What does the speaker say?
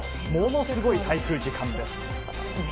ものすごい滞空時間です。